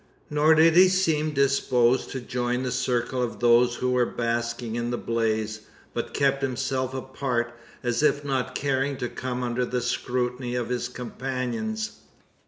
Nor did he seem disposed to join the circle of those who were basking in the blaze; but kept himself apart, as if not caring to come under the scrutiny of his companions.